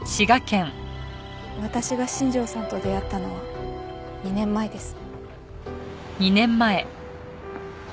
私が新庄さんと出会ったのは２年前です。